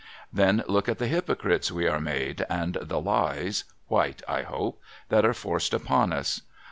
Then look at the Hypocrites we are made, and the lies (white, I hope) that are forced upon us